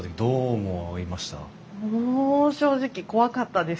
もう正直怖かったです。